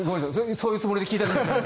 そういうつもりで聞いたんじゃない。